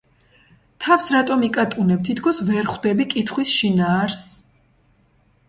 თავს რატომ იკატუნებ, თითქოს ვერ ხვდები კითხვის შინაარსს?